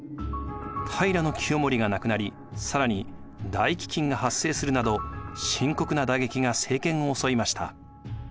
平清盛が亡くなり更に大飢饉が発生するなど深刻な打撃が政権を襲いました。